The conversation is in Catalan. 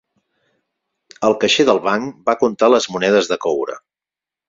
El caixer del banc va contar les monedes de coure.